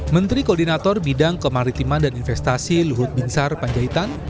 menteri koordinator bidang kemaritiman dan investasi luhut binsar panjaitan